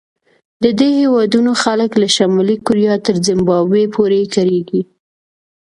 د دې هېوادونو خلک له شمالي کوریا تر زیمبابوې پورې کړېږي.